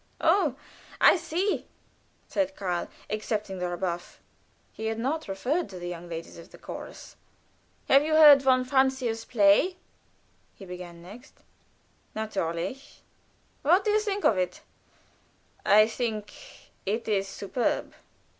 "Oh, I see!" said Karl, accepting the rebuff. He had not referred to the young ladies of the chorus. "Have you heard von Francius play?" he began next. "Natürlich!" "What do you think of it?" "I think it is superb!"